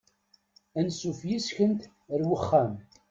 Ansuf yes-kent ar uxxam.